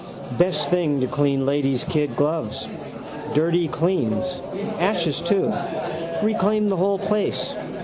Best thing to clean ladies' kid gloves. Dirty cleans. Ashes too. Reclaim the whole place.